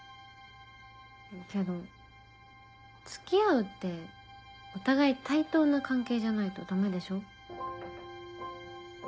けど付き合うってお互い対等な関係じゃないとダメでしょ。